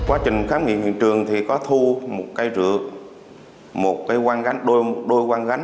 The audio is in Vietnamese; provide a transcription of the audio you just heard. từ quá trình khám nghiện hiện trường thì có thu một cây rượu một cây quanh gắn đôi đôi quan cánh